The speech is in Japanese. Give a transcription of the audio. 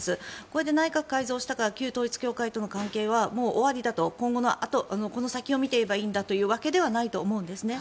これで内閣改造したから旧統一教会との関係はもう終わりだと今後の先を見ていればいいんだというわけではないと思うんです。